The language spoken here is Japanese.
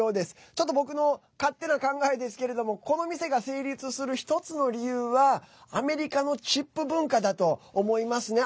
ちょっと僕の勝手な考えですけどこの店が成立する１つの理由はアメリカのチップ文化だと思いますね。